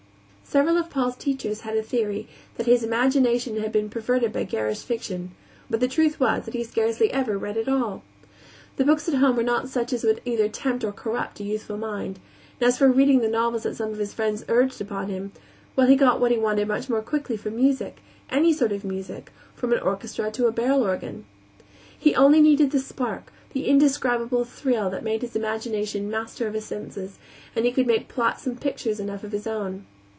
Several of Paul's teachers had a theory that his imagination had been perverted by garish fiction, but the truth was that he scarcely ever read at all. The books at home were not such as would either tempt or corrupt a youthful mind, and as for reading the novels that some of his friends urged upon him well, he got what he wanted much more quickly from music; any sort of music, from an orchestra to a barrel organ. He needed only the spark, the indescribable thrill that made his imagination master of his senses, and he could make plots and pictures enough of his own.